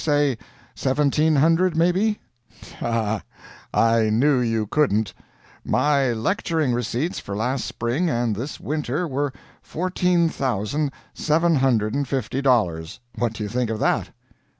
Say seventeen hundred, maybe?" "Ha! ha! I knew you couldn't. My lecturing receipts for last spring and this winter were fourteen thousand seven hundred and fifty dollars. What do you think of that?"